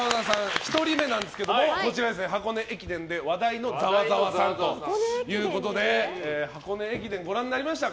１人目なんですけど箱根駅伝で話題のざわざわさんということで箱根駅伝、ご覧になりましたか？